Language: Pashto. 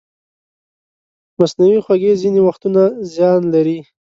مصنوعي خوږې ځینې وختونه زیان لري.